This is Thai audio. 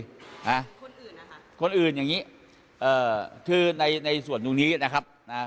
นะคนอื่นนะคะคนอื่นอย่างงี้เอ่อคือในในส่วนตรงนี้นะครับนะ